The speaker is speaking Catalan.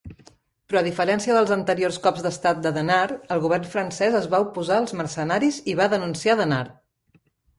Però a diferència dels anteriors cops d'estat de Denard, el Govern francès es va oposar als mercenaris i va denunciar Denard.